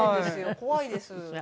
怖いです。